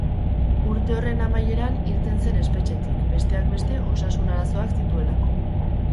Urte horren amaieran irten zen espetxetik, besteak beste, osasun-arazoak zituelako.